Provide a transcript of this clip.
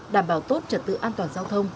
đảm bảo tốt trật tự an toàn giao thông